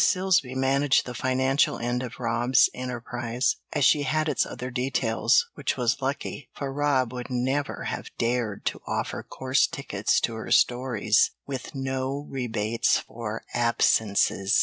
Silsby managed the financial end of Rob's enterprise, as she had its other details, which was lucky, for Rob would never have dared to offer course tickets to her stories, with no rebates for absences.